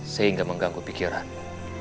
sehingga mengganggu pikiranmu